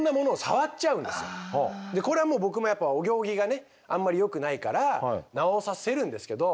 これはもう僕もやっぱお行儀がねあんまりよくないから直させるんですけど。